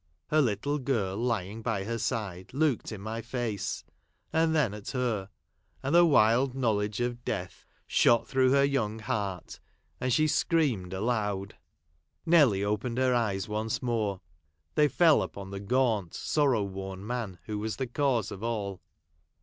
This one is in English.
Her little girl lying by her side looked in my face, and then at her ; and the wild knowledge of death shot through her young heart, and she screamed aloud. Nelly opened her eyes once more. They fell upon the gaunt, sorrow worn man who was the cause of all.